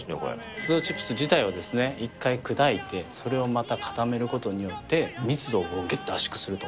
ポテトチップス自体は一回砕いて、それをまた固めることによって、密度をぎゅっと圧縮すると。